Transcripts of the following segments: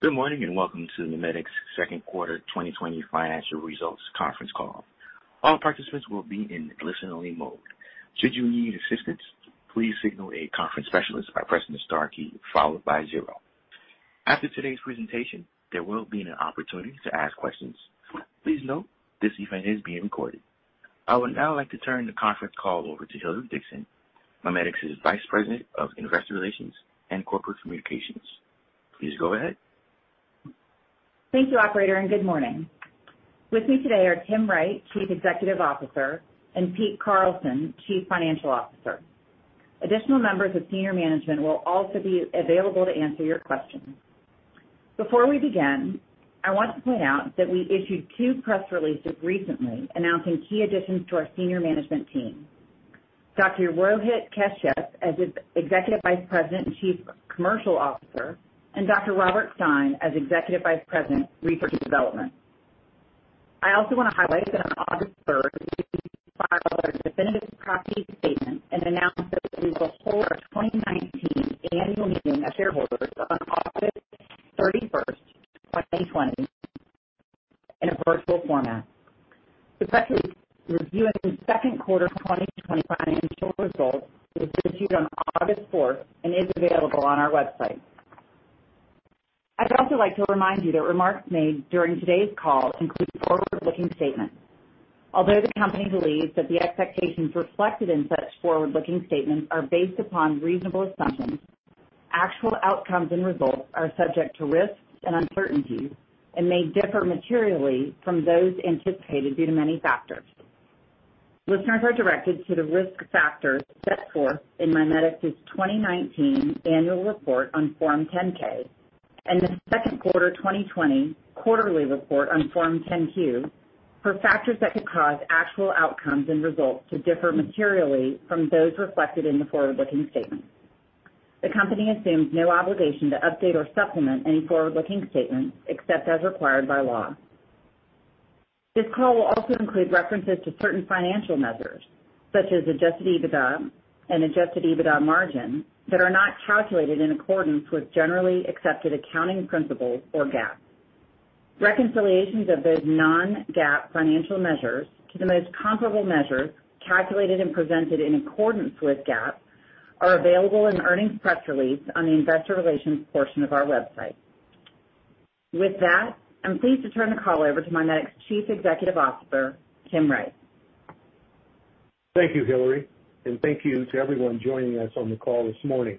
Good morning, and welcome to MiMedx's second quarter 2020 financial results conference call. I would now like to turn the conference call over to Hilary Dixon, MiMedx's Vice President of Investor Relations and Corporate Communications. Please go ahead. Thank you, operator, and good morning. With me today are Tim Wright, Chief Executive Officer, and Pete Carlson, Chief Financial Officer. Additional members of senior management will also be available to answer your questions. Before we begin, I want to point out that we issued two press releases recently announcing key additions to our senior management team. Dr. Rohit Kashyap as Executive Vice President and Chief Commercial Officer, and Dr. Robert Stein as Executive Vice President, Research and Development. I also want to highlight that on August 3rd, we filed our definitive proxy statement and announced that we will hold our 2019 Annual Meeting of Shareholders on August 31st, 2020, in a virtual format. This press release reviews second quarter 2020 financial results. It was issued on August 4th and is available on our website. I'd also like to remind you that remarks made during today's call include forward-looking statements. Although the company believes that the expectations reflected in such forward-looking statements are based upon reasonable assumptions, actual outcomes and results are subject to risks and uncertainties and may differ materially from those anticipated due to many factors. Listeners are directed to the risk factors set forth in MiMedx's 2019 annual report on Form 10-K and the second quarter 2020 quarterly report on Form 10-Q for factors that could cause actual outcomes and results to differ materially from those reflected in the forward-looking statements. The company assumes no obligation to update or supplement any forward-looking statements except as required by law. This call will also include references to certain financial measures, such as adjusted EBITDA and adjusted EBITDA margin, that are not calculated in accordance with generally accepted accounting principles or GAAP. Reconciliations of those non-GAAP financial measures to the most comparable measures calculated and presented in accordance with GAAP are available in the earnings press release on the investor relations portion of our website. With that, I'm pleased to turn the call over to MiMedx Chief Executive Officer, Tim Wright. Thank you, Hilary, and thank you to everyone joining us on the call this morning.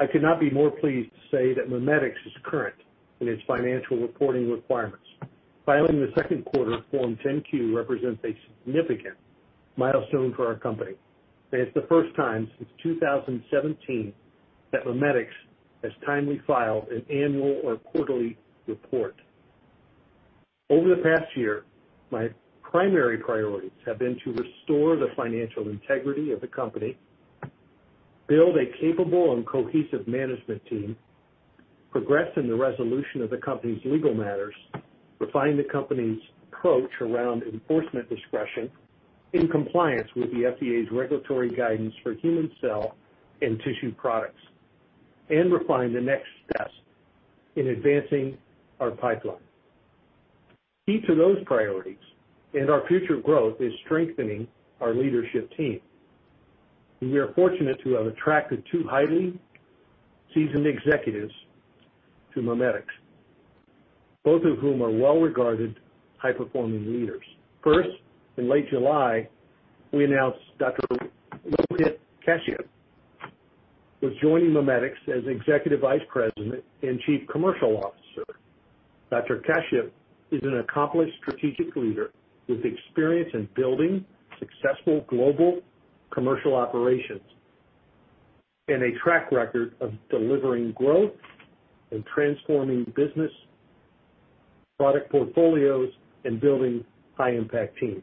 I could not be more pleased to say that MiMedx is current in its financial reporting requirements. Filing the second quarter Form 10-Q represents a significant milestone for our company, and it's the first time since 2017 that MiMedx has timely filed an annual or quarterly report. Over the past year, my primary priorities have been to restore the financial integrity of the company, build a capable and cohesive management team, progress in the resolution of the company's legal matters, refine the company's approach around enforcement discretion in compliance with the FDA's regulatory guidance for human cell and tissue products, and refine the next steps in advancing our pipeline. Key to those priorities and our future growth is strengthening our leadership team. We are fortunate to have attracted two highly seasoned executives to MiMedx, both of whom are well-regarded, high-performing leaders. First, in late July, we announced Dr. Rohit Kashyap was joining MiMedx as Executive Vice President and Chief Commercial Officer. Dr. Kashyap is an accomplished strategic leader with experience in building successful global commercial operations and a track record of delivering growth and transforming business product portfolios and building high-impact teams.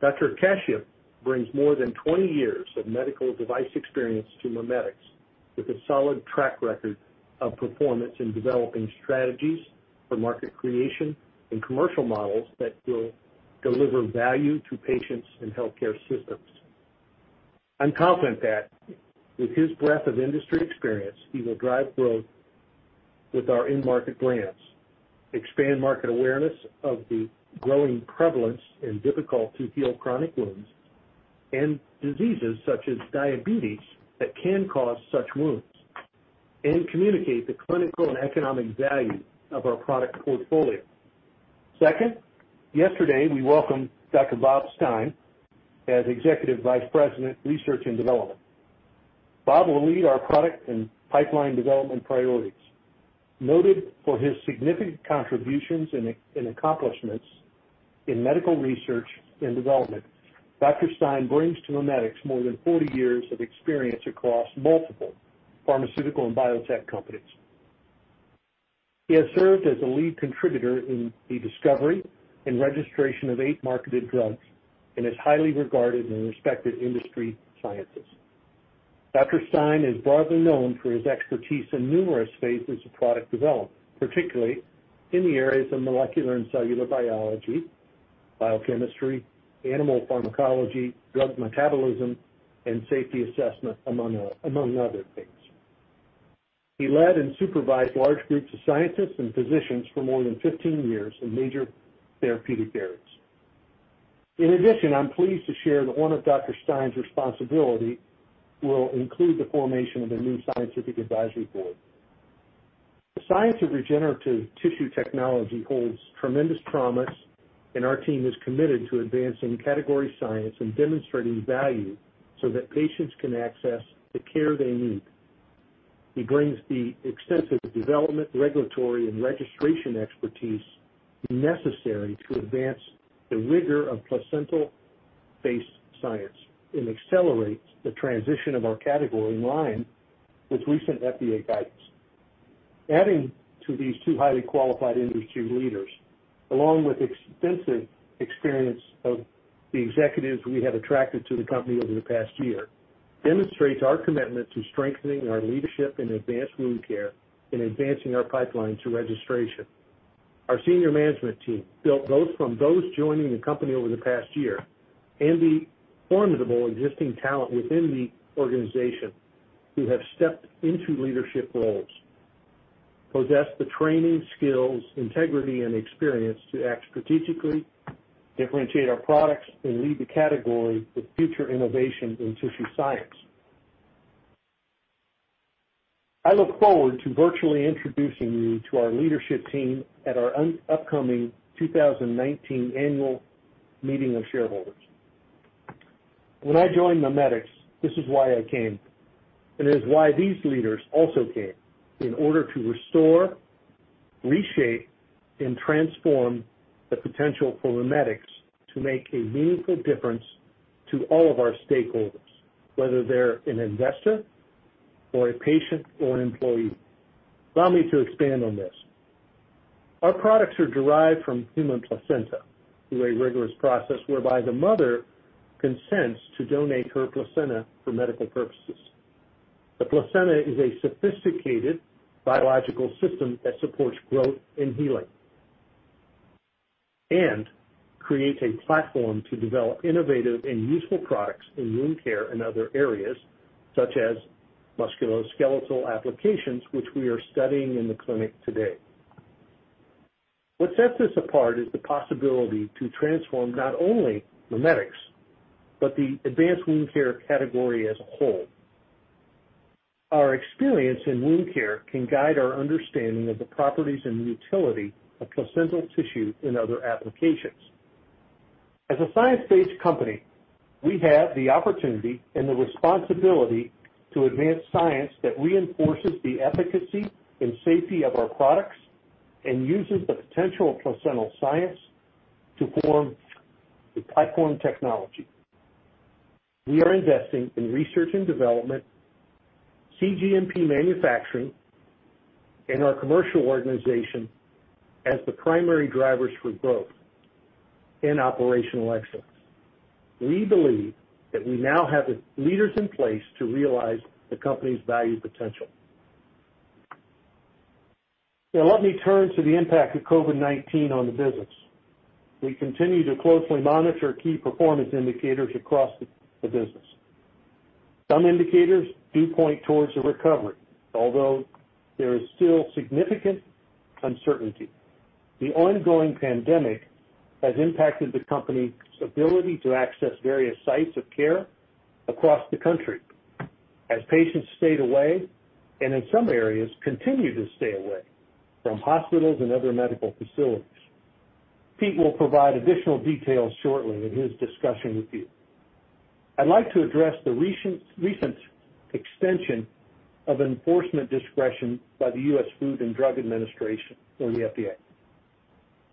Dr. Kashyap brings more than 20 years of medical device experience to MiMedx with a solid track record of performance in developing strategies for market creation and commercial models that will deliver value to patients and healthcare systems. I'm confident that with his breadth of industry experience, he will drive growth with our end-market plans, expand market awareness of the growing prevalence in difficult-to-heal chronic wounds and diseases such as diabetes that can cause such wounds, and communicate the clinical and economic value of our product portfolio. Second, yesterday we welcomed Dr. Bob Stein as Executive Vice President, Research and Development. Bob will lead our product and pipeline development priorities. Noted for his significant contributions and accomplishments in medical research and development, Dr. Stein brings to MiMedx more than 40 years of experience across multiple pharmaceutical and biotech companies. He has served as a lead contributor in the discovery and registration of eight marketed drugs and is highly regarded and respected industry scientist. Dr. Stein is broadly known for his expertise in numerous phases of product development, particularly in the areas of molecular and cellular biology, biochemistry, animal pharmacology, drug metabolism, and safety assessment, among other things. He led and supervised large groups of scientists and physicians for more than 15 years in major therapeutic areas. In addition, I'm pleased to share that one of Dr. Stein's responsibility will include the formation of a new scientific advisory board. The science of regenerative tissue technology holds tremendous promise, and our team is committed to advancing category science and demonstrating value so that patients can access the care they need. He brings the extensive development, regulatory, and registration expertise necessary to advance the rigor of placental-based science and accelerates the transition of our category in line with recent FDA guidance. Adding to these two highly qualified industry leaders, along with extensive experience of the executives we have attracted to the company over the past year, demonstrates our commitment to strengthening our leadership in advanced wound care and advancing our pipeline to registration. Our senior management team, built both from those joining the company over the past year and the formidable existing talent within the organization who have stepped into leadership roles, possess the training, skills, integrity, and experience to act strategically, differentiate our products, and lead the category with future innovation in tissue science. I look forward to virtually introducing you to our leadership team at our upcoming 2019 annual meeting of shareholders. When I joined MiMedx, this is why I came, and it is why these leaders also came, in order to restore, reshape, and transform the potential for MiMedx to make a meaningful difference to all of our stakeholders, whether they're an investor or a patient or an employee. Allow me to expand on this. Our products are derived from human placenta through a rigorous process whereby the mother consents to donate her placenta for medical purposes. The placenta is a sophisticated biological system that supports growth and healing and creates a platform to develop innovative and useful products in wound care and other areas such as musculoskeletal applications, which we are studying in the clinic today. What sets us apart is the possibility to transform not only MiMedx, but the advanced wound care category as a whole. Our experience in wound care can guide our understanding of the properties and utility of placental tissue in other applications. As a science-based company, we have the opportunity and the responsibility to advance science that reinforces the efficacy and safety of our products and uses the potential of placental science to form the pipeline technology. We are investing in research and development, cGMP manufacturing, and our commercial organization as the primary drivers for growth and operational excellence. We believe that we now have the leaders in place to realize the company's value potential. Now let me turn to the impact of COVID-19 on the business. We continue to closely monitor key performance indicators across the business. Some indicators do point towards a recovery, although there is still significant uncertainty. The ongoing pandemic has impacted the company's ability to access various sites of care across the country as patients stayed away, and in some areas, continue to stay away from hospitals and other medical facilities. Pete will provide additional details shortly in his discussion with you. I'd like to address the recent extension of enforcement discretion by the U.S. Food and Drug Administration, or the FDA.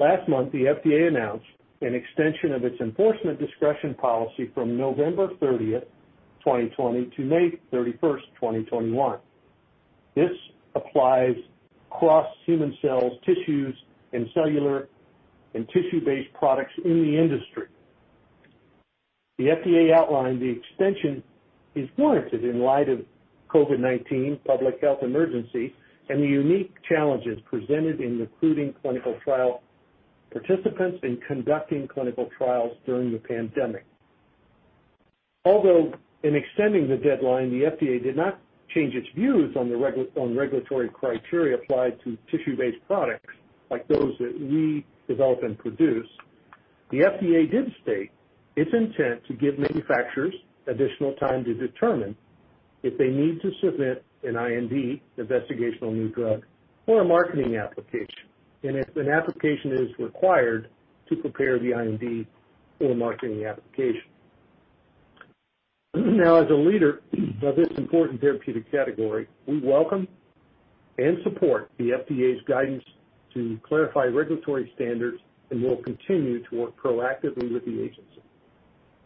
Last month, the FDA announced an extension of its enforcement discretion policy from November 30, 2020 to May 31, 2021. This applies across human cells, tissues, and cellular and tissue-based products in the industry. The FDA outlined the extension is warranted in light of COVID-19 public health emergency and the unique challenges presented in recruiting clinical trial participants and conducting clinical trials during the pandemic. Although in extending the deadline, the FDA did not change its views on regulatory criteria applied to tissue-based products like those that we develop and produce. The FDA did state its intent to give manufacturers additional time to determine if they need to submit an IND, investigational new drug, or a marketing application, and if an application is required to prepare the IND or marketing application. Now, as a leader of this important therapeutic category, we welcome and support the FDA's guidance to clarify regulatory standards and will continue to work proactively with the agency.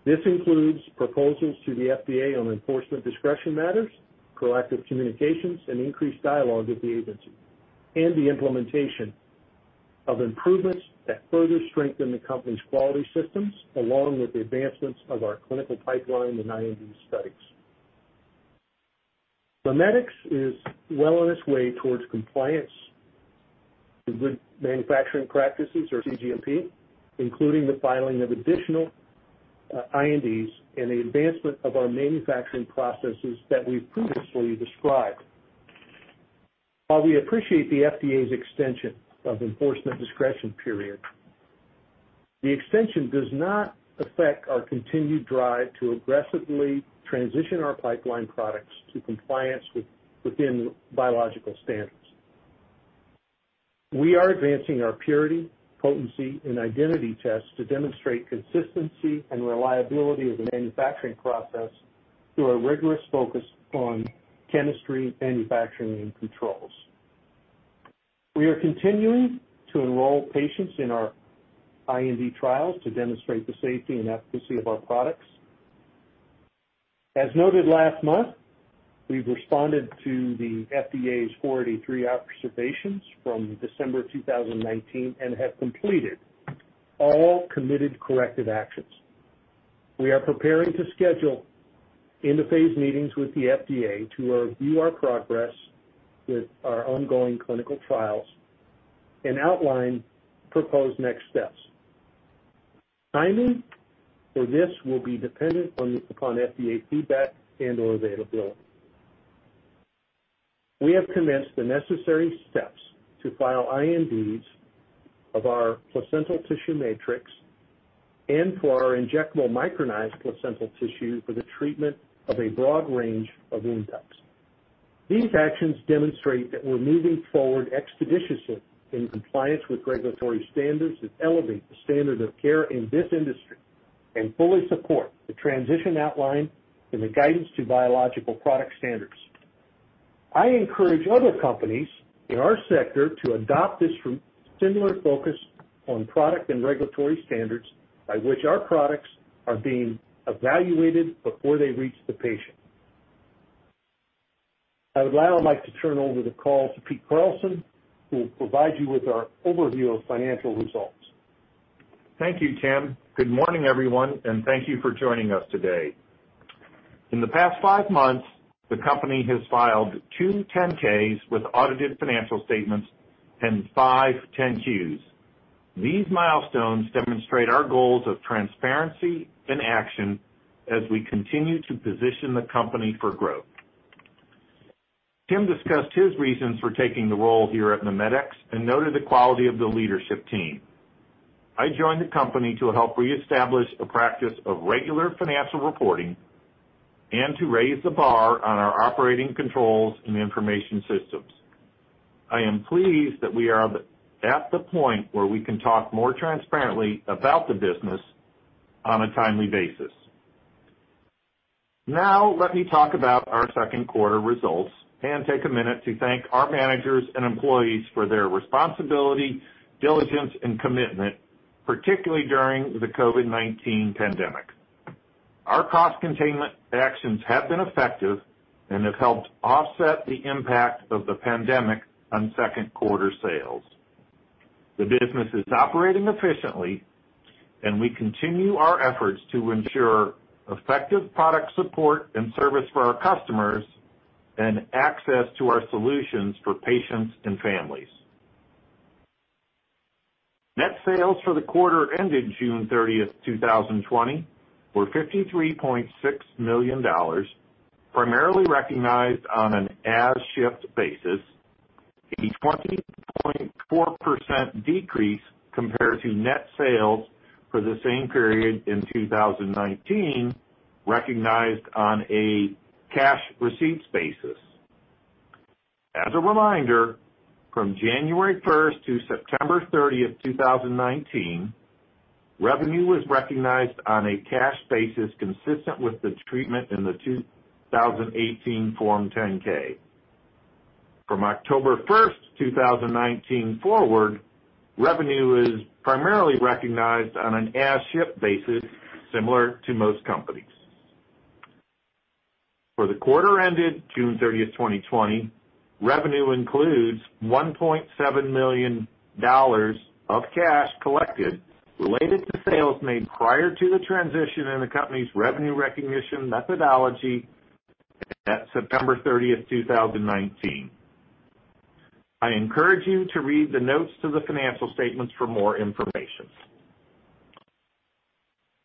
This includes proposals to the FDA on enforcement discretion matters, proactive communications, and increased dialogue with the agency, and the implementation of improvements that further strengthen the company's quality systems, along with the advancements of our clinical pipeline and IND studies. MiMedx is well on its way towards compliance with good manufacturing practices or cGMP, including the filing of additional INDs and the advancement of our manufacturing processes that we've previously described. While we appreciate the FDA's extension of enforcement discretion period, the extension does not affect our continued drive to aggressively transition our pipeline products to compliance within biological standards. We are advancing our purity, potency, and identity tests to demonstrate consistency and reliability of the manufacturing process through a rigorous focus on chemistry, manufacturing, and controls. We are continuing to enroll patients in our IND trials to demonstrate the safety and efficacy of our products. As noted last month, we've responded to the FDA's 483 observations from December of 2019 and have completed all committed corrective actions. We are preparing to schedule in the phase meetings with the FDA to review our progress with our ongoing clinical trials and outline proposed next steps. Timing for this will be dependent upon FDA feedback and/or availability. We have commenced the necessary steps to file INDs of our placental tissue matrix and for our injectable micronized placental tissue for the treatment of a broad range of wound types. These actions demonstrate that we're moving forward expeditiously in compliance with regulatory standards that elevate the standard of care in this industry and fully support the transition outlined in the guidance to biological product standards. I encourage other companies in our sector to adopt this similar focus on product and regulatory standards by which our products are being evaluated before they reach the patient. I would now like to turn over the call to Pete Carlson, who will provide you with our overview of financial results. Thank you, Tim. Good morning, everyone, and thank you for joining us today. In the past five months, the company has filed two 10-Ks with audited financial statements and five 10-Qs. These milestones demonstrate our goals of transparency and action as we continue to position the company for growth. Tim discussed his reasons for taking the role here at MiMedx and noted the quality of the leadership team. I joined the company to help reestablish a practice of regular financial reporting and to raise the bar on our operating controls and information systems. I am pleased that we are at the point where we can talk more transparently about the business on a timely basis. Now, let me talk about our second quarter results and take a minute to thank our managers and employees for their responsibility, diligence, and commitment, particularly during the COVID-19 pandemic. Our cost containment actions have been effective and have helped offset the impact of the pandemic on second quarter sales. The business is operating efficiently, and we continue our efforts to ensure effective product support and service for our customers and access to our solutions for patients and families. Net sales for the quarter ended June 30th, 2020 were $53.6 million, primarily recognized on an as-shipped basis, a 20.4% decrease compared to net sales for the same period in 2019, recognized on a cash receipts basis. As a reminder, from January 1st to September 30th, 2019, revenue was recognized on a cash basis consistent with the treatment in the 2018 Form 10-K. From October 1st, 2019 forward, revenue is primarily recognized on an as-shipped basis, similar to most companies. For the quarter ended June 30th, 2020, revenue includes $1.7 million of cash collected related to sales made prior to the transition in the company's revenue recognition methodology at September 30th, 2019. I encourage you to read the notes to the financial statements for more information.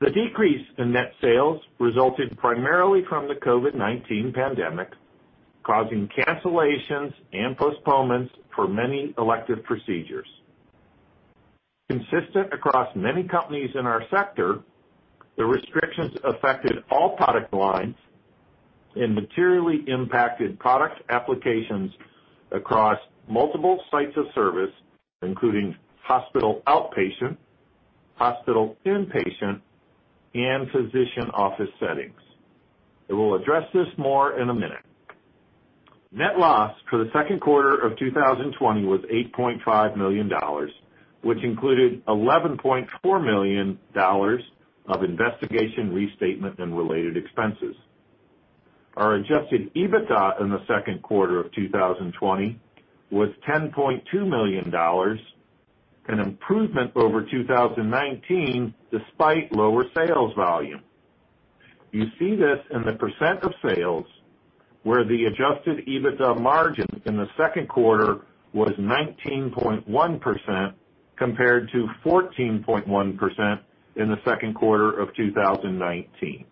The decrease in net sales resulted primarily from the COVID-19 pandemic, causing cancellations and postponements for many elective procedures. Consistent across many companies in our sector, the restrictions affected all product lines and materially impacted product applications across multiple sites of service, including hospital outpatient, hospital inpatient, and physician office settings. I will address this more in a minute. Net loss for the second quarter of 2020 was $8.5 million, which included $11.4 million of investigation, restatement, and related expenses. Our adjusted EBITDA in the second quarter of 2020 was $10.2 million. An improvement over 2019 despite lower sales volume. You see this in the percent of sales, where the adjusted EBITDA margin in the second quarter was 19.1% compared to 14.1% in the second quarter of 2019.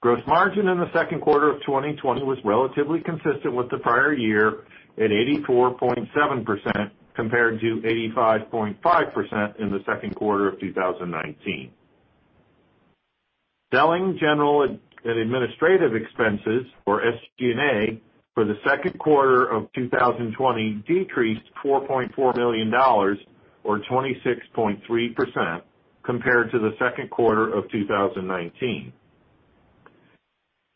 Gross margin in the second quarter of 2020 was relatively consistent with the prior year at 84.7% compared to 85.5% in the second quarter of 2019. Selling, general, and administrative expenses or SG&A for the second quarter of 2020 decreased to $4.4 million or 26.3% compared to the second quarter of 2019.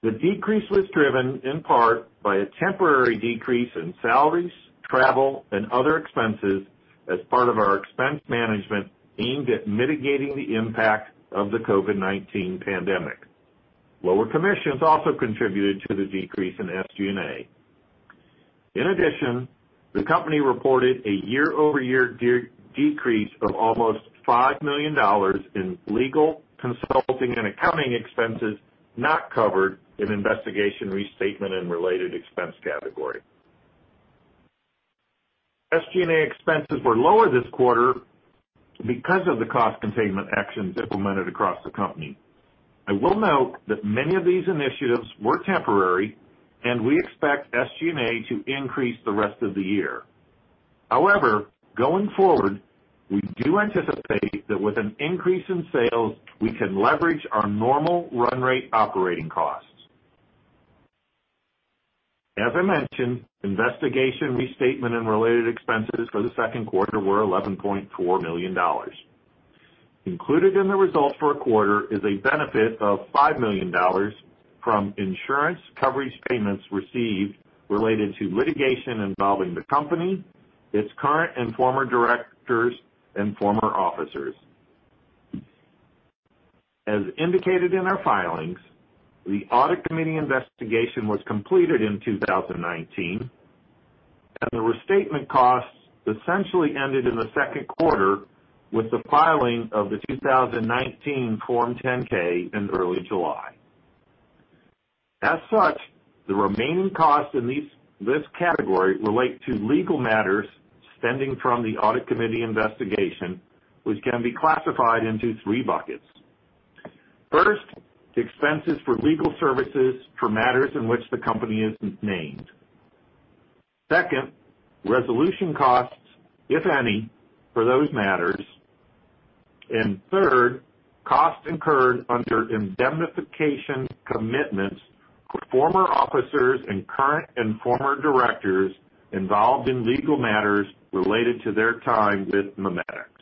The decrease was driven in part by a temporary decrease in salaries, travel and other expenses as part of our expense management aimed at mitigating the impact of the COVID-19 pandemic. Lower commissions also contributed to the decrease in SG&A. In addition, the company reported a year-over-year decrease of almost $5 million in legal, consulting and accounting expenses not covered in investigation restatement and related expense category. SG&A expenses were lower this quarter because of the cost containment actions implemented across the company. I will note that many of these initiatives were temporary, and we expect SG&A to increase the rest of the year. However, going forward, we do anticipate that with an increase in sales, we can leverage our normal run rate operating costs. As I mentioned, investigation restatement and related expenses for the second quarter were $11.4 million. Included in the results for a quarter is a benefit of $5 million from insurance coverage payments received related to litigation involving the company, its current and former directors and former officers. As indicated in our filings, the audit committee investigation was completed in 2019, and the restatement costs essentially ended in the second quarter with the filing of the 2019 Form 10-K in early July. As such, the remaining costs in this category relate to legal matters stemming from the audit committee investigation, which can be classified into three buckets. First, expenses for legal services for matters in which the company isn't named. Second, resolution costs, if any, for those matters. Third, costs incurred under indemnification commitments for former officers and current and former directors involved in legal matters related to their time with MiMedx.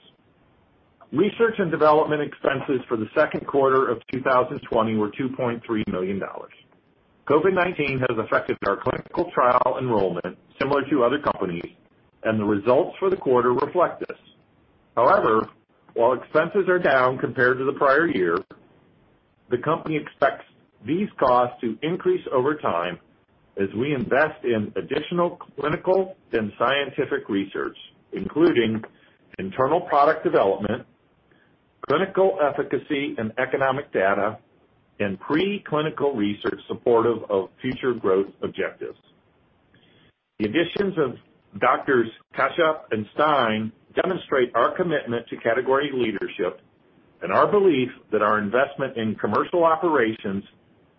Research and development expenses for the second quarter of 2020 were $2.3 million. COVID-19 has affected our clinical trial enrollment similar to other companies, and the results for the quarter reflect this. However, while expenses are down compared to the prior year, the company expects these costs to increase over time as we invest in additional clinical and scientific research, including internal product development, clinical efficacy and economic data, and pre-clinical research supportive of future growth objectives. The additions of Doctors Kashyap and Stein demonstrate our commitment to category leadership and our belief that our investment in commercial operations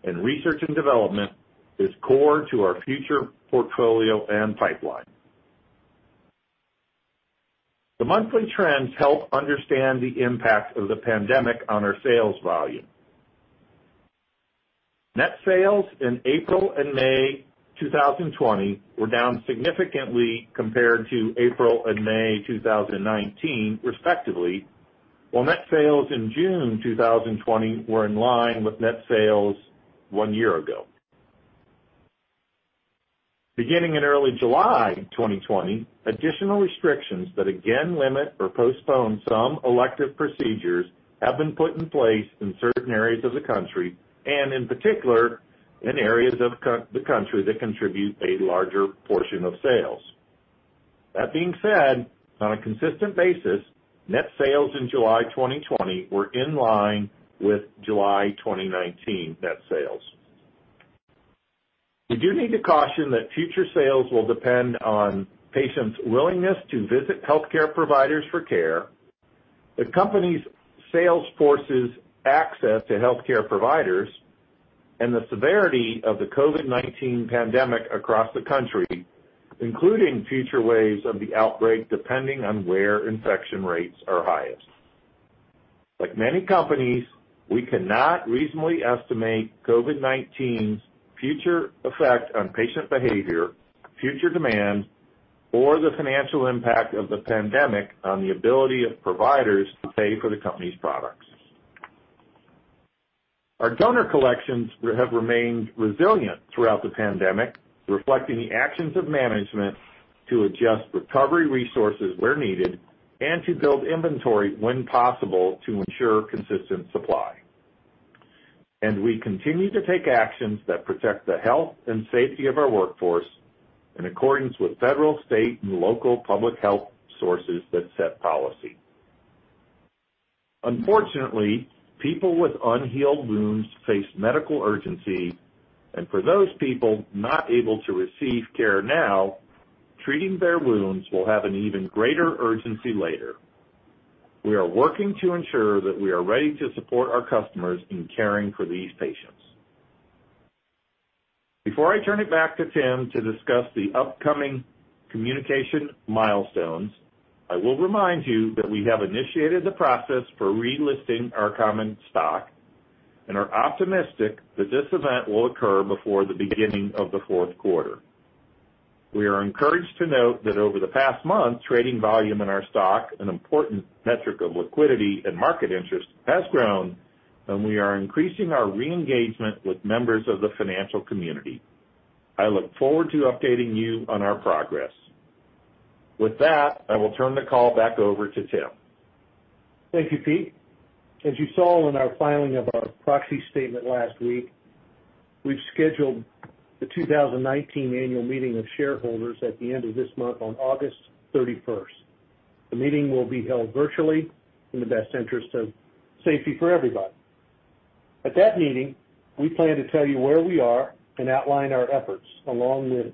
and research and development is core to our future portfolio and pipeline. The monthly trends help understand the impact of the pandemic on our sales volume. Net sales in April and May 2020 were down significantly compared to April and May 2019 respectively, while net sales in June 2020 were in line with net sales one year ago. Beginning in early July 2020, additional restrictions that again limit or postpone some elective procedures have been put in place in certain areas of the country and in particular in areas of the country that contribute a larger portion of sales. That being said, on a consistent basis, net sales in July 2020 were in line with July 2019 net sales. We do need to caution that future sales will depend on patients' willingness to visit healthcare providers for care, the company's sales force's access to healthcare providers, and the severity of the COVID-19 pandemic across the country, including future waves of the outbreak, depending on where infection rates are highest. Like many companies, we cannot reasonably estimate COVID-19's future effect on patient behavior, future demand, or the financial impact of the pandemic on the ability of providers to pay for the company's products. Our donor collections have remained resilient throughout the pandemic, reflecting the actions of management to adjust recovery resources where needed and to build inventory when possible to ensure consistent supply. We continue to take actions that protect the health and safety of our workforce in accordance with federal, state, and local public health sources that set policy. Unfortunately, people with unhealed wounds face medical urgency, and for those people not able to receive care now, treating their wounds will have an even greater urgency later. We are working to ensure that we are ready to support our customers in caring for these patients. Before I turn it back to Tim to discuss the upcoming communication milestones, I will remind you that we have initiated the process for relisting our common stock and are optimistic that this event will occur before the beginning of the fourth quarter. We are encouraged to note that over the past month, trading volume in our stock, an important metric of liquidity and market interest, has grown, and we are increasing our re-engagement with members of the financial community. I look forward to updating you on our progress. With that, I will turn the call back over to Tim. Thank you, Pete. As you saw in our filing of our proxy statement last week, we've scheduled the 2019 annual meeting of shareholders at the end of this month on August 31st. The meeting will be held virtually in the best interest of safety for everybody. At that meeting, we plan to tell you where we are and outline our efforts along with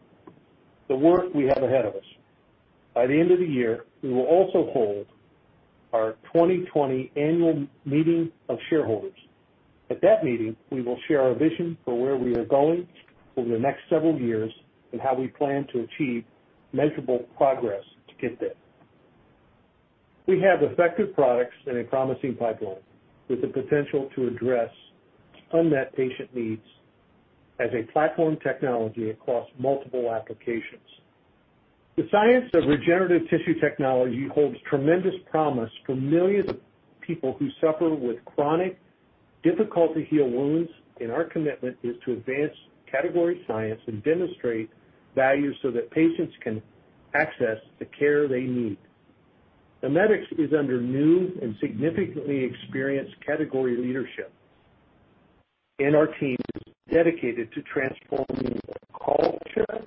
the work we have ahead of us. By the end of the year, we will also hold our 2020 annual meeting of shareholders. At that meeting, we will share our vision for where we are going over the next several years and how we plan to achieve measurable progress to get there. We have effective products and a promising pipeline with the potential to address unmet patient needs as a platform technology across multiple applications. The science of regenerative tissue technology holds tremendous promise for millions of people who suffer with chronic, difficult-to-heal wounds, and our commitment is to advance category science and demonstrate value so that patients can access the care they need. MiMedx is under new and significantly experienced category leadership, and our team is dedicated to transforming the culture,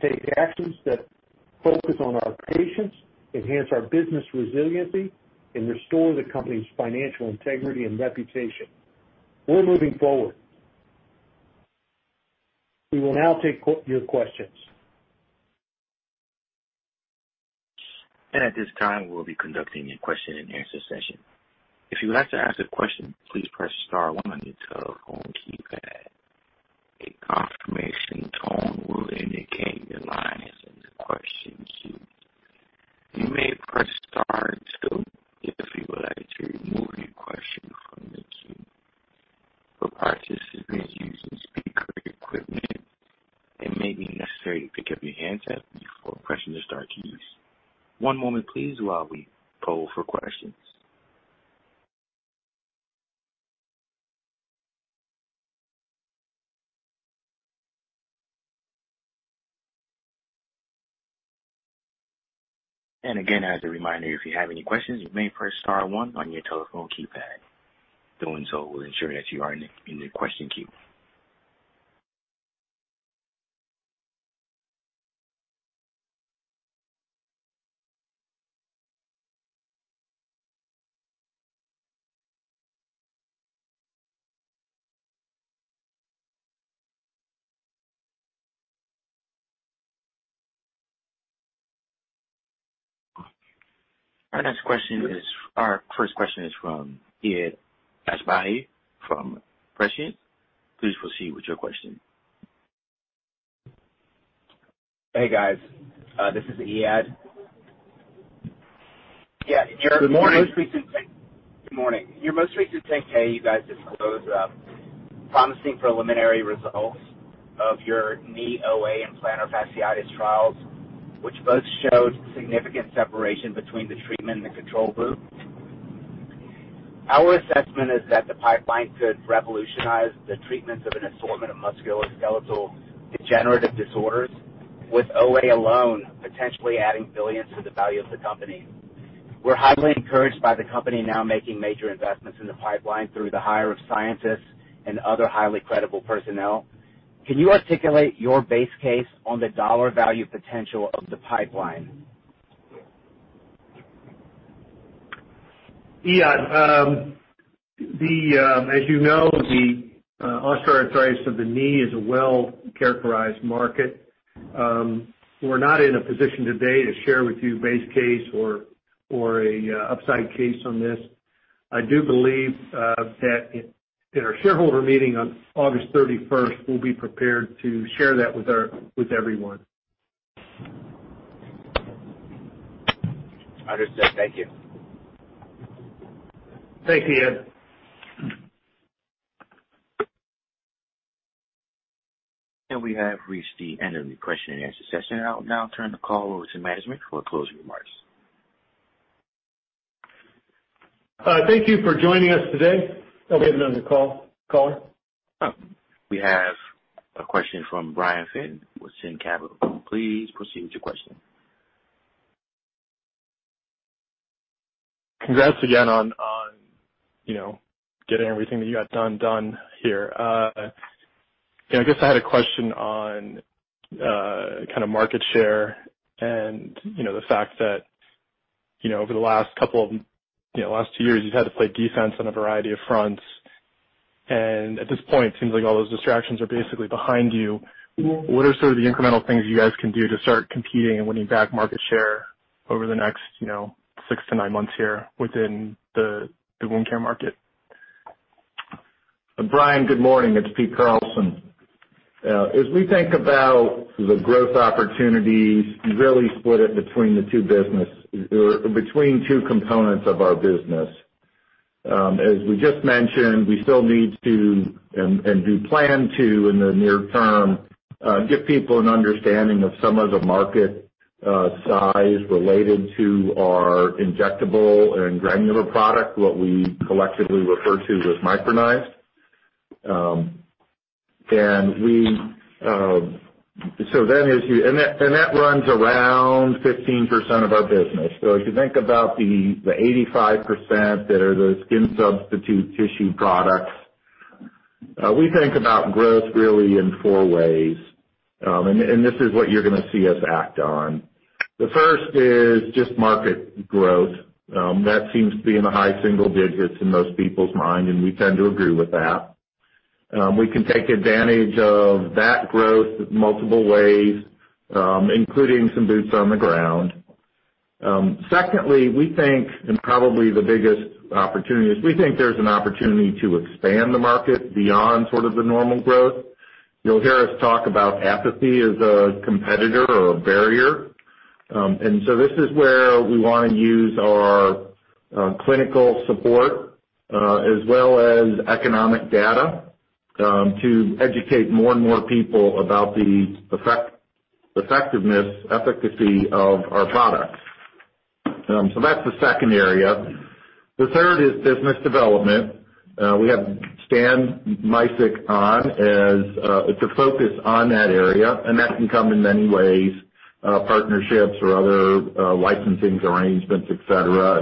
instilling operational excellence across the company, and realizing the company's value potential. We continue to take actions that focus on our patients, enhance our business resiliency, and restore the company's financial integrity and reputation. We're moving forward. We will now take your questions. At this time, we'll be conducting a question and answer session. If you would like to ask a question, please press star one on your telephone keypad. A confirmation tone will indicate your line is in the question queue. You may press star two if you would like to remove your question from the queue. For participants using speaker equipment, it may be necessary to pick up your handset before pressing the star keys. One moment please while we poll for questions. Again, as a reminder, if you have any questions, you may press star one on your telephone keypad. Doing so will ensure that you are in the question queue. Our first question is from Eiad Asbahi from Prescient. Please proceed with your question. Hey, guys. This is Eiad. Yeah. Good morning. Good morning. Your most recent 10-K, you guys disclosed promising preliminary results of your knee OA and plantar fasciitis trials, which both showed significant separation between the treatment and the control group. Our assessment is that the pipeline could revolutionize the treatments of an assortment of musculoskeletal degenerative disorders, with OA alone potentially adding $ billions to the value of the company. We're highly encouraged by the company now making major investments in the pipeline through the hire of scientists and other highly credible personnel. Can you articulate your base case on the dollar value potential of the pipeline? Eiad, as you know, the osteoarthritis of the knee is a well-characterized market. We're not in a position today to share with you base case or an upside case on this. I do believe that at our shareholder meeting on August 31st, we'll be prepared to share that with everyone. Understood. Thank you. Thanks, Eiad. We have reached the end of the question and answer session. I'll now turn the call over to management for closing remarks. Thank you for joining us today. Operator, another caller. We have a question from Ryan Zimmerman with Siddhi Capital. Please proceed with your question. Congrats again on getting everything that you got done here. I guess I had a question on kind of market share and the fact that over the last two years, you've had to play defense on a variety of fronts, and at this point, it seems like all those distractions are basically behind you. What are sort of the incremental things you guys can do to start competing and winning back market share over the next six to nine months here within the wound care market? Ryan, good morning. It's Pete Carlson. As we think about the growth opportunities, we really split it between two components of our business. As we just mentioned, we still need to, and do plan to in the near term, give people an understanding of some of the market size related to our injectable and granular product, what we collectively refer to as Micronized. That runs around 15% of our business. If you think about the 85% that are the skin substitute tissue products, we think about growth really in four ways. This is what you're going to see us act on. The first is just market growth. That seems to be in the high single digits in most people's mind, and we tend to agree with that. We can take advantage of that growth multiple ways, including some boots on the ground. Secondly, we think, and probably the biggest opportunity is we think there's an opportunity to expand the market beyond sort of the normal growth. You'll hear us talk about apathy as a competitor or a barrier. This is where we want to use our clinical support, as well as economic data, to educate more and more people about the effectiveness, efficacy of our products. That's the second area. The third is business development. We have Stan Misyk on as to focus on that area, and that can come in many ways, partnerships or other licensings, arrangements, et cetera.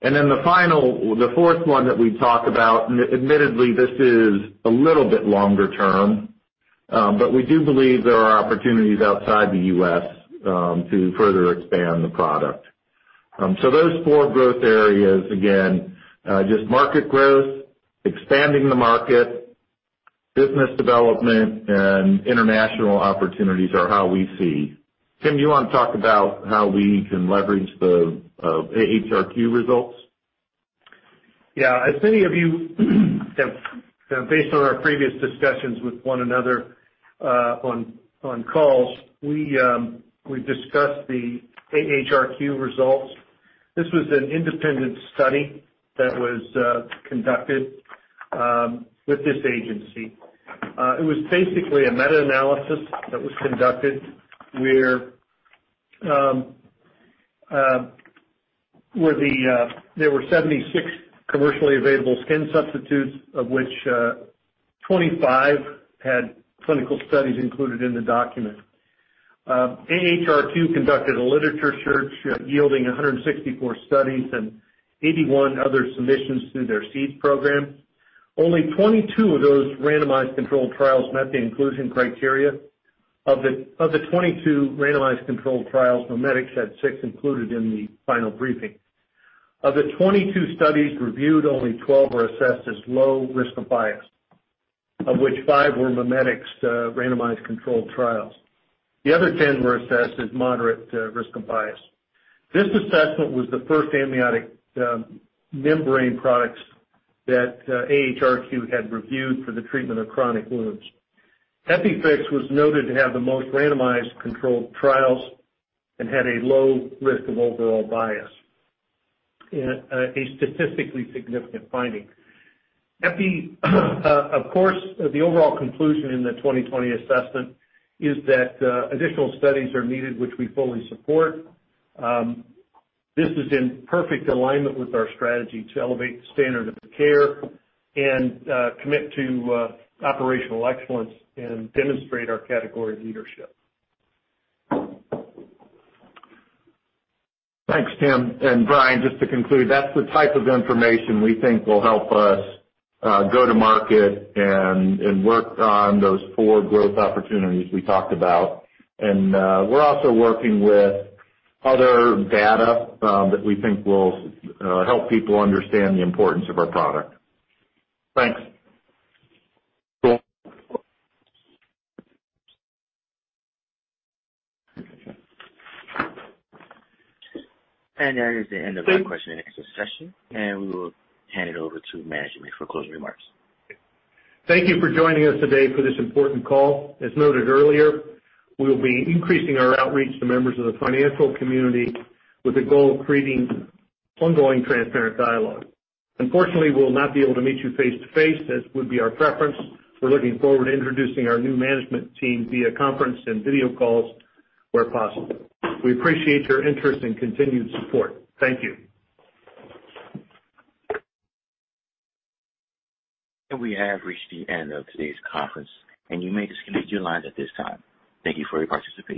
The fourth one that we talk about, and admittedly, this is a little bit longer term, but we do believe there are opportunities outside the U.S. to further expand the product. Those four growth areas, again, just market growth, expanding the market, business development, and international opportunities are how we see. Tim, do you want to talk about how we can leverage the AHRQ results? As many of you have based on our previous discussions with one another on calls, we discussed the AHRQ results. This was an independent study that was conducted with this agency. It was basically a meta-analysis that was conducted where there were 76 commercially available skin substitutes, of which 25 had clinical studies included in the document. AHRQ conducted a literature search, yielding 164 studies and 81 other submissions through their SEED program. Only 22 of those randomized controlled trials met the inclusion criteria. Of the 22 randomized controlled trials, MiMedx had six included in the final briefing. Of the 22 studies reviewed, only 12 were assessed as low risk of bias, of which five were MiMedx randomized controlled trials. The other 10 were assessed as moderate risk of bias. This assessment was the first amniotic membrane products that AHRQ had reviewed for the treatment of chronic wounds. EpiFix was noted to have the most randomized controlled trials and had a low risk of overall bias, a statistically significant finding. Of course, the overall conclusion in the 2020 assessment is that additional studies are needed, which we fully support. This is in perfect alignment with our strategy to elevate the standard of care and commit to operational excellence and demonstrate our category leadership. Thanks, Tim. Ryan, just to conclude, that's the type of information we think will help us go to market and work on those four growth opportunities we talked about. We're also working with other data that we think will help people understand the importance of our product. Thanks. That is the end of our question and answer session, and we will hand it over to management for closing remarks. Thank you for joining us today for this important call. As noted earlier, we will be increasing our outreach to members of the financial community with the goal of creating ongoing, transparent dialogue. Unfortunately, we will not be able to meet you face-to-face, as would be our preference. We are looking forward to introducing our new management team via conference and video calls where possible. We appreciate your interest and continued support. Thank you. We have reached the end of today's conference, and you may disconnect your lines at this time. Thank you for your participation.